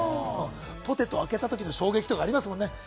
ポテト開けたときの衝撃とかありますよね。